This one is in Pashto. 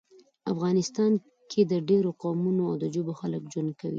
افغانستان کې د ډیرو قومونو او ژبو خلک ژوند کوي